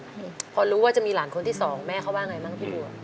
อืมพอรู้ว่าจะมีหลานคนที่สองแม่เขาว่าไงบ้างพี่บัว